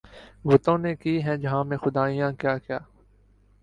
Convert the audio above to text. بتوں نے کی ہیں جہاں میں خدائیاں کیا کیا